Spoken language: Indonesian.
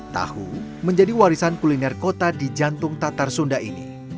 tahu menjadi warisan kuliner kota di jantung tatar sunda ini